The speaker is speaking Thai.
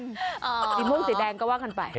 สีม่วงสีแดงก็ว่ากันไป